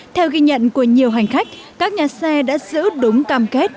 theo ghi nhận của nhiều hành khách các nhà xe đã giữ đúng cam kết